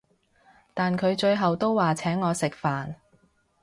但佢最後都話請我食飯